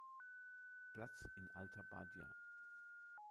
Platz in Alta Badia.